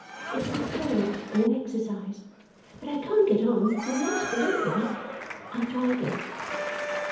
It's like verbs in an exercise. But I can't get on with less believing. I'll try again.